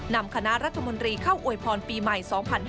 นำคณะรัฐมนตรีเข้าอวยพรปีใหม่๒๕๕๙